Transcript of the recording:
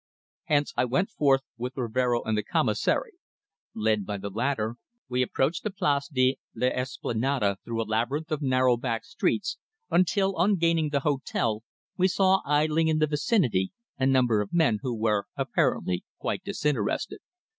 Hence I went forth with Rivero and the Commissary. Led by the latter, we approached the Place de l'Esplanade through a labyrinth of narrow back streets until, on gaining the hotel, we saw idling in the vicinity a number of men who were apparently quite disinterested.